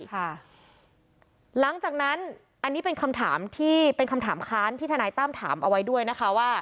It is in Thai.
หลังจากนั้นอันนี้เป็นคำถามที่เป็นคำถามค้านที่ทนายตั้มถามเอาไว้ด้วยนะคะว่า